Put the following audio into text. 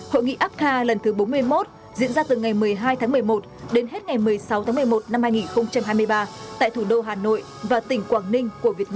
hội nghị apca lần thứ bốn mươi một diễn ra từ ngày một mươi hai tháng một mươi một đến hết ngày một mươi sáu tháng một mươi một năm hai nghìn hai mươi ba tại thủ đô hà nội và tỉnh quảng ninh